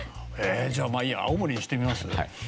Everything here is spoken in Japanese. じゃあまあいいや青森にしてみます？